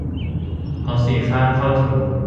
เอาสีข้างเข้าถู